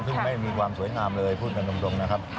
ซึ่งไม่มีความสวยงามเลยพูดกันตรงนะครับ